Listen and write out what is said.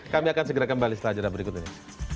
kami akan segera kembali setelah jeda berikutnya